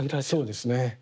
そうですね。